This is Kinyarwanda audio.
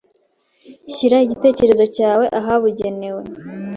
shyira igitekerezo cyawe ahabugenewe.